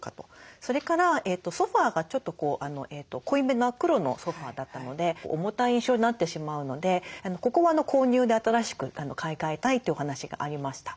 それからソファーがちょっと濃いめの黒のソファーだったので重たい印象になってしまうのでここは購入で新しく買い替えたいというお話がありました。